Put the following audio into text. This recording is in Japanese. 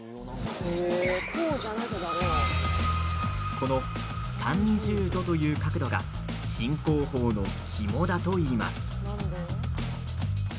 この３０度という角度が新工法の肝だといいます。